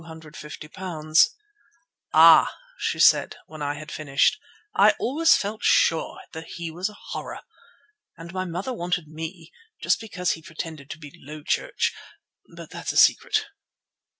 "Ah!" she said, when I had finished, "I always felt sure he was a horror. And my mother wanted me, just because he pretended to be low church—but that's a secret."